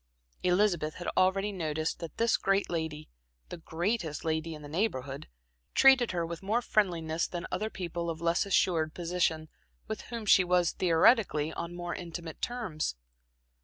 Elizabeth had already noticed that this great lady, the greatest lady in the Neighborhood, treated her with more friendliness than other people of less assured position with whom she was, theoretically, on more intimate terms.